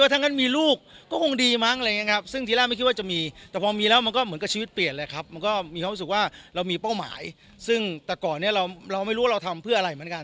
ซึ่งแต่ก่อนเนี้ยเราเราไม่รู้ว่าเราทำเพื่ออะไรเหมือนกันแต่วันเนี้ยรู้ว่าเป้าหมายเราคือเราทำเพื่อลูกครับ